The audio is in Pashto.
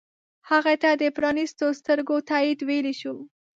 هغې ته د پرانیستو سترګو تایید ویلی شو.